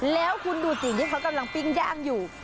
แล้วคุณดูสิที่เขากำลังปิ้งย่างอยู่